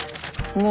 もう。